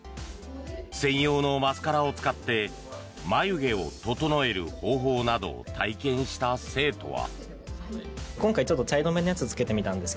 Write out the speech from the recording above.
専用のマスカラを使って眉毛を整える方法などを体験した生徒は。